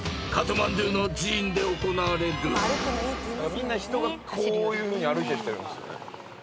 みんな人がこういうふうに歩いてってるんです。